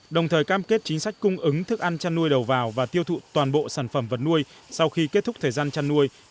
đồng thời cam kết chính sách cung ứng thức ăn chăn nuôi đầu vào và tiêu thụ toàn bộ sản phẩm vật nuôi sau khi kết thúc thời gian chăn nuôi